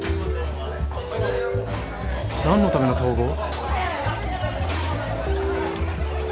なんのための統合？